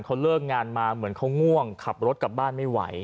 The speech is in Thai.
เขาเลิกงานมาเหมือนเขาง่วงขับรถกลับบ้านไม่ไหว